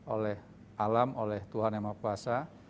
oleh alam oleh tuhan yang maaf puasa